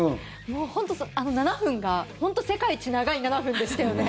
あの７分が本当に世界一長い７分でしたよね。